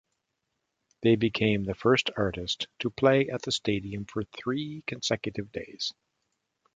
They became the first artist to play at the stadium for three consecutive days.